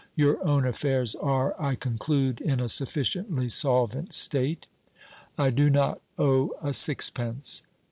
Your own affairs are, I conclude, in a sufficiently solvent state?" "I do not owe a sixpence."